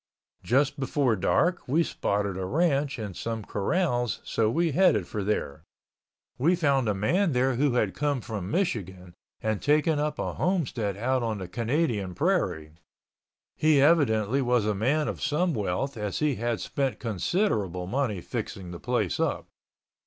Just before dark we spotted a ranch and some corrals so we headed for there. We found a man there who had come from Michigan and taken up a homestead out on the Canadian Prairie. He evidently was a man of some wealth as he had spent considerable money fixing the place up.